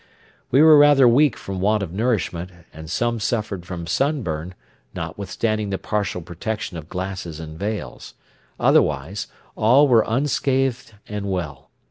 We were rather weak from want of nourishment, and some suffered from sunburn, notwithstanding the partial protection of glasses and veils; otherwise, all were unscathed and well.